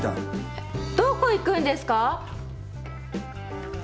えっどこ行くんですか？